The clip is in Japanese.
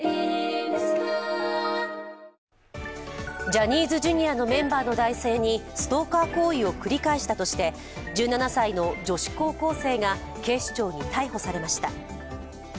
ジャニーズＪｒ．のメンバーの男性にストーカー行為を繰り返したとして１７歳の女子高校生が警視庁に逮捕されました。